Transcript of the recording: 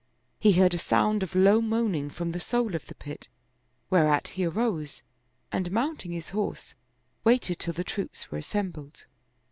He heard a sound of low moaning from the sole of the pit ; whereat he arose and mounting his horse, waited till the troops were assembled.